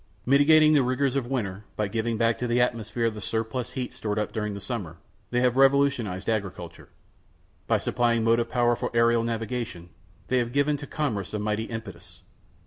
Mitigating the rigors of winter, by giving back to the atmosphere the surplus heat stored up during the summer, they have revolutionized agriculture. By supplying motive power for a├½rial navigation, they have given to commerce a mighty impetus.